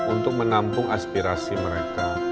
untuk menampung aspirasi mereka